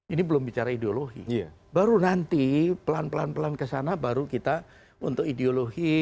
ini belum bicara ideologi baru nanti pelan pelan pelan kesana baru kita untuk ideologi